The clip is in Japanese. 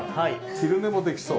昼寝もできそう。